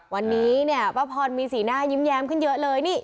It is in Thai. วันนี้เนี่ยป้าพรมีสีหน้ายิ้มแย้มขึ้นเยอะเลยนี่